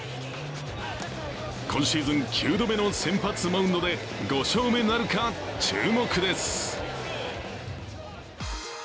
今シーズン９度目の先発マウンドで５勝目なるか、注目です。